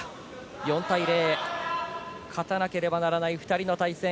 ４対０、勝たなければならない２人の対戦。